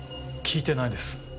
聞いてないです。